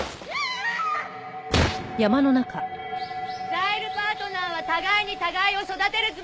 ザイルパートナーは互いに互いを育てるつもりで！